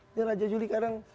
ini raja juli kadang